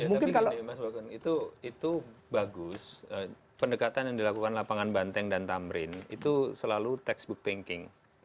tapi gini mas bagon itu bagus pendekatan yang dilakukan lapangan banteng dan tamrin itu selalu textbook thinking